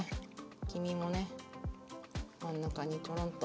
黄身もね真ん中にトロンと。